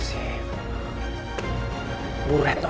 aku memang membutuhkannya